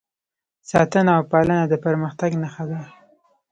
ساتنه او پالنه د پرمختګ نښه ده.